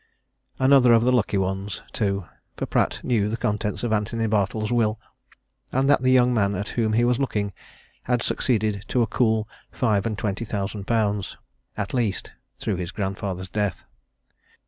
Another of the lucky ones, too; for Pratt knew the contents of Antony Bartle's will, and that the young man at whom he was looking had succeeded to a cool five and twenty thousand pounds, at least, through his grandfather's death.